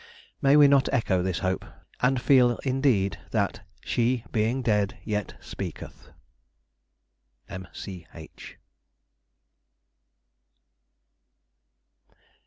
May we not echo this hope, and feel indeed that "SHE BEING DEAD YET SPEAKETH." M. C. H.